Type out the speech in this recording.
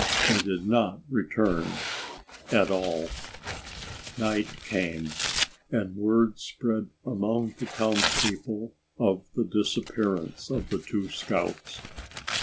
They did not return at all. Night came, and word spread among the townspeople of the disappearance of the two scouts.